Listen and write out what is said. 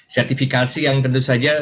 sertifikasi yang tentu saja